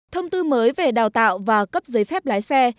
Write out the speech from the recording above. thông tư mới về đào tạo và cấp giấy phép lái xe